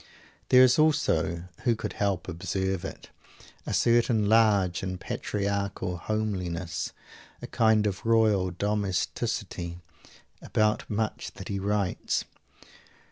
There is also who could help observing it? a certain large and patriarchal homeliness a kind of royal domesticity about much that he writes.